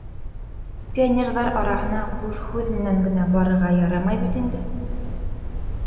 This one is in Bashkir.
Пионерҙар араһына буш һүҙ менән генә барырға ярамай бит инде.